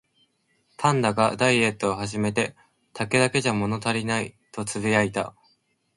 パンダがダイエットを始めて、「竹だけじゃ物足りない」とつぶやいた